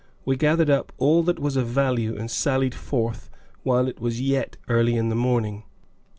We gathered up all that was of value and sallied forth while it was yet early in the morning.